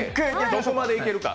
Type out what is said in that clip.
どこまでいけるか。